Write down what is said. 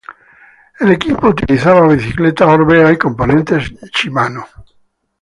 El equipo utilizaba bicicletas Orbea y componentes Shimano.